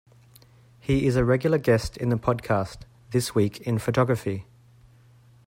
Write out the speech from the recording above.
He is a regular guest in the podcast 'This Week in Photography'.